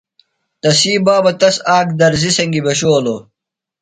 تسی بابہ تس آک درزیۡ سنگیۡ بھیۡشولوۡ۔